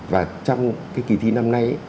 và trong cái kỳ thi năm nay